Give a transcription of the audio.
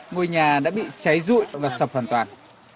ngôi nhà đã bị cháy rụi và sập hoàn toàn